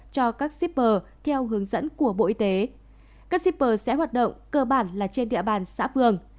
các shipper sẽ hoạt động cơ bản là trên địa bàn xã phường